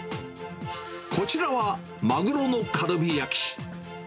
こちらは、マグロのカルビ焼き。